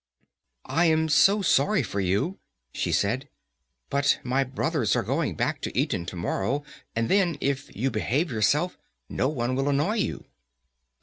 "I am so sorry for you," she said, "but my brothers are going back to Eton to morrow, and then, if you behave yourself, no one will annoy you."